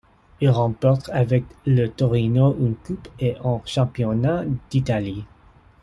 Il remporte avec le Torino une Coupe et un championnat d'Italie.